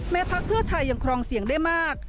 พักเพื่อไทยยังครองเสียงได้มาก